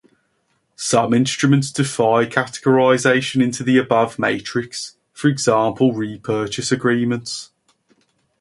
Some instruments defy categorization into the above matrix, for example repurchase agreements.